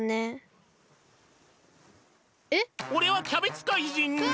おれはキャベツ怪人の。